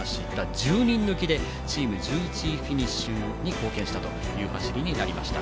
１０人抜きでチーム１１位フィニッシュに貢献したという走りになりました。